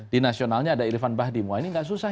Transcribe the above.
di nasionalnya ada irfan bahdim wah ini nggak susah